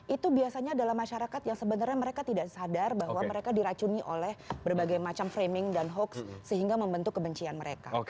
itu biasanya adalah masyarakat yang sebenarnya mereka tidak sadar bahwa mereka diracuni oleh berbagai macam framing dan hoax sehingga membentuk kebencian mereka